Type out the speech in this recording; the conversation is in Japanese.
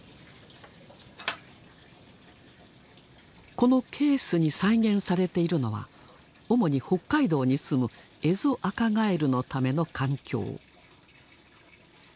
このケースに再現されているのは主に北海道にすむエゾアカガエルのための環境。